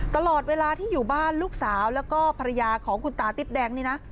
ตลอดเวลาที่อยู่บ้านลูกสาวแล้วก็ภรรยาของคุณตาติ๊บแดงนี่นะ